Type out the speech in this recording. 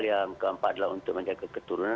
yang keempat adalah untuk menjaga keturunan